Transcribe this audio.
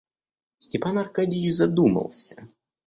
Степан Аркадьич задумался.